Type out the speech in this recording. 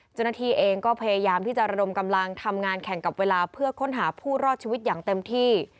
เจ้าหน้าที่เองก็พยายามที่จะระดมกำลังทำงานแข่งกับเวลาเพื่อค้นหาผู้รอดชีวิตอย่างเต็มที่